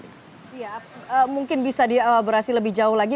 iya mungkin bisa dielaborasi lebih jauh lagi